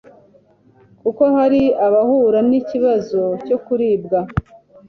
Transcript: kuko hari abahura n'ikibazo cyo kuribwa